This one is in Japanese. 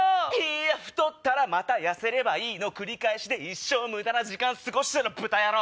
いや太ったらまた痩せればいいの繰り返しで一生無駄な時間過ごしてろブタ野郎！